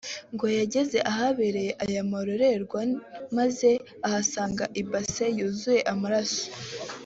ngo yageze ahabereye aya marorerwa maze ahasanga ibase yuzuye amaraso